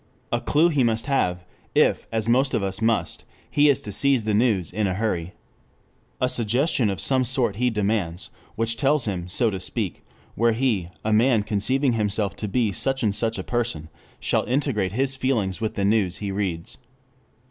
A clue he must have if, as most of us must, he is to seize the news in a hurry. A suggestion of some sort he demands, which tells him, so to speak, where he, a man conceiving himself to be such and such a person, shall integrate his feelings with the news he reads.